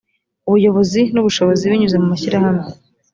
ubuyobozi n ubushobozi binyuze mu mashyirahamwe